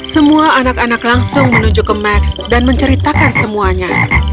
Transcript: semua anak anak langsung menuju ke max dan menceritakan semuanya